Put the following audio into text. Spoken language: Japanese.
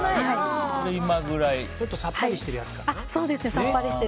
ちょっとさっぱりしてるやつかな。